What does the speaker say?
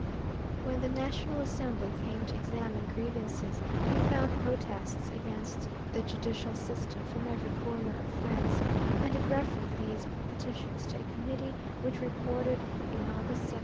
When the National Assembly came to examine grievances it found protests against the judicial system from every corner of France, and it referred these petitions to a committee which reported in August, 1789.